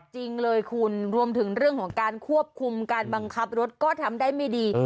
จริงเลยคุณรวมถึงเรื่องของการควบคุมการบังคับรถก็ทำได้ไม่ดี